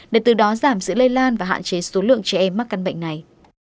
để từ đó giảm sự lây lan và hạn chế số lượng trẻ em mắc căn bệnh này